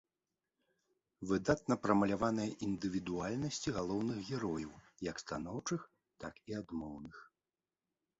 Выдатна прамаляваныя індывідуальнасці галоўных герояў, як станоўчых, так і адмоўных.